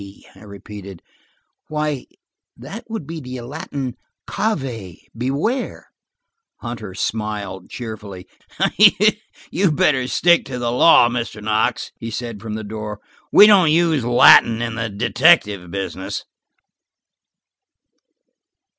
I repeated. "Why that would be the latin cave–beware." Hunter smiled cheerfully. "You'd better stick to the law, Mr. Knox," he said from the door. "We don't use Latin in the detective business."